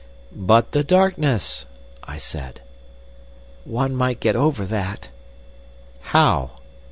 "But the darkness," I said. "One might get over that." "How?"